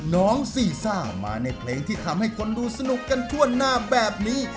น้องซีซ่ามาในเพลงที่ทำให้คนดูสนุกกันทั่วหน้าแบบนี้